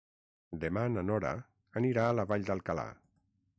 Demà na Nora anirà a la Vall d'Alcalà.